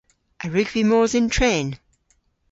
A wrug vy mos yn tren?